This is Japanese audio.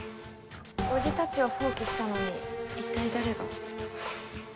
叔父たちは放棄したのに一体誰が？